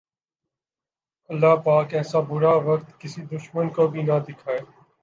اللہ پاک ایسا برا وقت کسی دشمن کو بھی نہ دکھائے